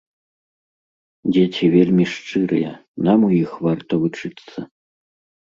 Дзеці вельмі шчырыя, нам у іх варта вучыцца.